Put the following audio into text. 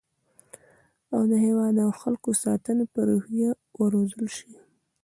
او د هیواد او خلکو د ساتنې په روحیه وروزل شي